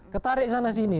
ketarik sana sini